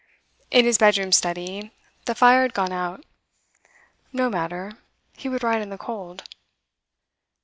In his bedroom study the fire had gone out. No matter; he would write in the cold.